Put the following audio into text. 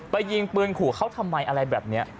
ยิงปืนขู่เขาทำไมอะไรแบบนี้